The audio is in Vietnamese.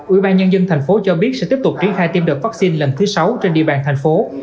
ubnd tp hcm cho biết sẽ tiếp tục triển khai tiêm đợt vaccine lần thứ sáu trên địa bàn tp hcm